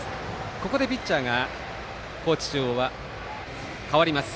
ここでピッチャーが高知中央は代わります。